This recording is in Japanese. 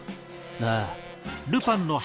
ああ。